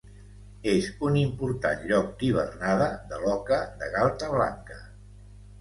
És un important lloc d'hivernada de l'oca de galta blanca.